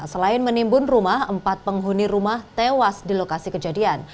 selain menimbun rumah empat penghuni rumah tewas di lokasi kejadian